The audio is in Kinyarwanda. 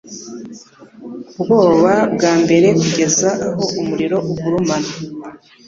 ubwoba bwa mbere kugeza aho umuriro ugurumana